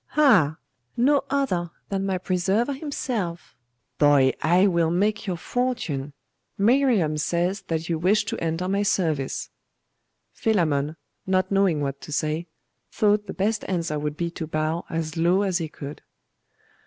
'Ha! No other than my preserver himself! Boy, I will make your fortune. Miriam says that you wish to enter my service.' Philammon, not knowing what to say, thought the best answer would be to bow as low as he could.